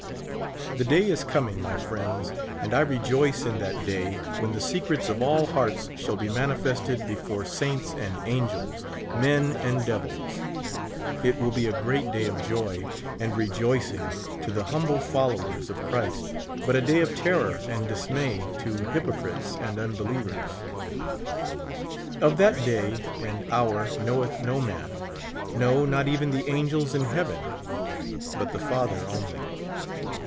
The day is coming, my friends, and I rejoice in that day, when the secrets of all hearts shall be manifested before saints and angels, men and devils. It will be a great day of joy and rejoicing to the humble followers of Christ, but a day of terror and dismay to hypocrites and imbelievers. Of that day and hour knoweth no man ; no, not even the angels in heaven, but the Father only.